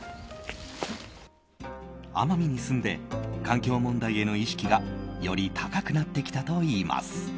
奄美に住んで環境問題への意識がより高くなってきたといいます。